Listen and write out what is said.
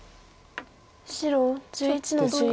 白１１の十一。